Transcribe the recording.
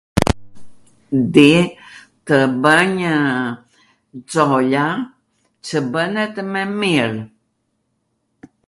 dje, kw bwnja xolia, qw bwnetw me miell.